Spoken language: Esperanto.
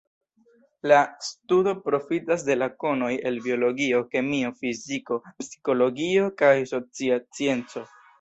La studo profitas de la konoj el biologio, kemio, fiziko, psikologio kaj socia scienco.